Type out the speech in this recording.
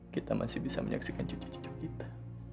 kita masih bisa menyaksikan cucu cucu kita